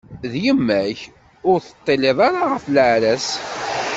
D yemma-k, ur teṭṭilliḍ ara ɣef leɛra-s.